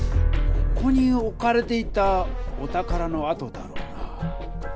ここにおかれていたお宝のあとだろうな。